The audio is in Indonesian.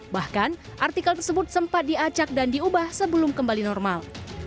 bahkan artikel tersebut sempat diacak dan diubah sebelum kembali normal